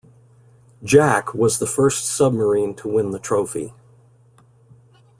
"Jack" was the first submarine to win the trophy.